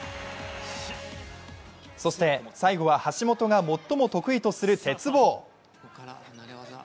そして、最後は橋本が最も得意とする鉄棒。